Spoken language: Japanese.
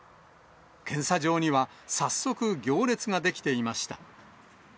検査場には、早速、行列が出来ていました。